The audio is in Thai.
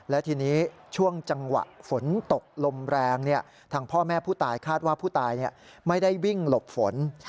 และทีนี้ช่วงจังหวะฝนตกลมแรงทางพ่อแม่ผู้ตายคาดว่าผู้ตายไม่ได้วิ่งหลบฝน